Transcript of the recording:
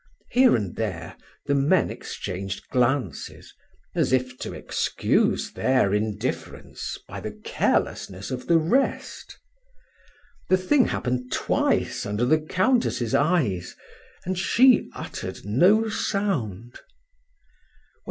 Here and there the men exchanged glances, as if to excuse their indifference by the carelessness of the rest; the thing happened twice under the Countess' eyes, and she uttered no sound.